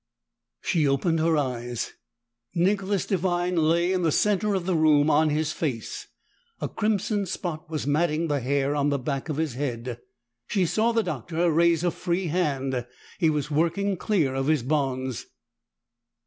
She opened her eyes. Nicholas Devine lay in the center of the room on his face; a crimson spot was matting the hair on the back of his head. She saw the Doctor raise a free hand; he was working clear of his bonds.